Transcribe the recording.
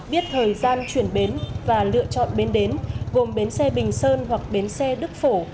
biết thời gian chuyển bến và lựa chọn bến đến gồm bến xe bình sơn hoặc bến xe đức phổ